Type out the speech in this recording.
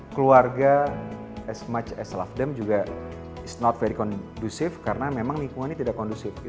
keluarga as much as i love them juga is not very kondusif karena memang lingkungannya tidak kondusif